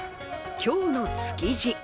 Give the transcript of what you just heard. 今日の築地。